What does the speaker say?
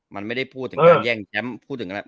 มันไม่ได้พูดถึงการแย่งแย้มพูดถึงอะไร